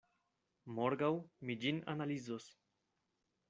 Morgaŭ mi ĝin analizos.